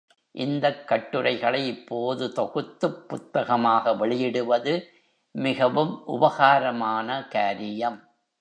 இந்தக் கட்டுரைகளை இப்போது தொகுத்துப் புத்தகமாக வெளியிடுவது மிகவும் உபகாரமான காரியம்.